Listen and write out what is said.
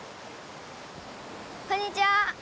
こんにちは。